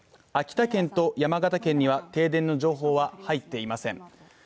秋田県と山形県には、停電の情報は入っていません